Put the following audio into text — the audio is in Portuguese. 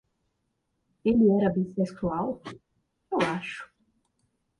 Ele era bissexual? eu acho.